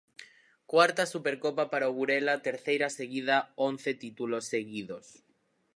Cuarta Supercopa para o Burela, terceira seguida, once títulos seguidos.